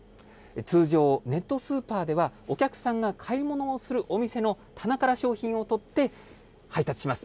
通常、ネットスーパーでは、お客さんが買い物をするお店の棚から商品を取って、配達します。